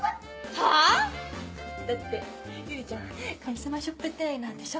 はぁ⁉だって友里ちゃんカリスマショップ店員なんでしょ？